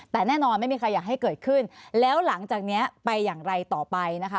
แต่แน่นอนไม่มีใครอยากให้เกิดขึ้นแล้วหลังจากนี้ไปอย่างไรต่อไปนะคะ